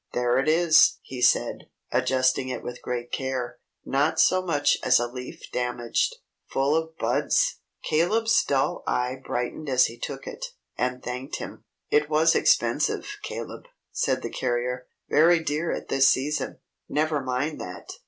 "There it is!" he said, adjusting it with great care. "Not so much as a leaf damaged. Full of buds!" Caleb's dull eye brightened as he took it, and thanked him. "It was expensive, Caleb," said the carrier. "Very dear at this season." "Never mind that.